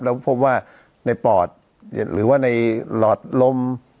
แล้วพบว่าในปอดหรือว่าในหลอดลม